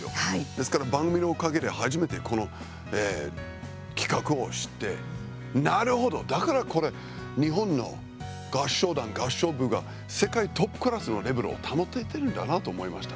ですから番組のおかげで初めてこの企画を知ってなるほど、だからこれ日本の合唱団、合唱部が世界トップクラスのレベルを保ててるんだなと思いました。